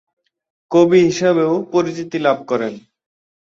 কবি হিসাবেও পরিচিতি লাভ করেন।